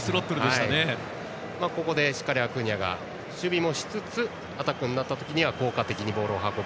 ここでしっかりアクーニャが守備もしつつアタックになった時効果的にボールを運ぶ